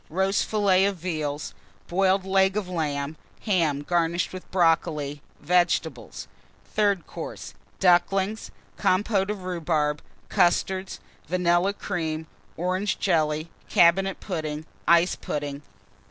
Roast Fillet of Veal. Boiled Leg of Lamb. Ham, garnished with Brocoli. Vegetables. THIRD COURSE. Ducklings. Compôte of Rhubarb. Custards. Vanilla Cream. Orange Jelly. Cabinet Pudding. Ice Pudding.